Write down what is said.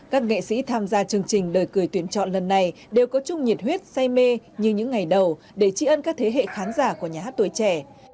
các nghệ sĩ tham gia chương trình đời cười tuyển chọn lần này đều có chung nhiệt huyết say mê như những ngày đầu để trị ân các thế hệ khán giả của nhà hát tuổi trẻ